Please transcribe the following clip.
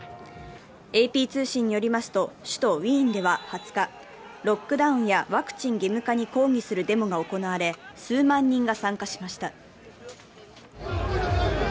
ＡＰ通信によりますと首都ウィーンでは２０日、ロックダウンやワクチン義務化に抗議するデモが行われ数万人が参加しました。